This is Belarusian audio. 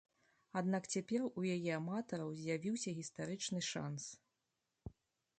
Аднак цяпер у яе аматараў з'явіўся гістарычны шанс.